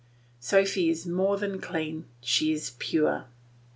Sophy is more than clean, she is pure.